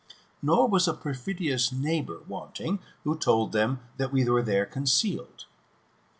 Nor was a perfidious neighbour wanting, who told them that we were there concealed.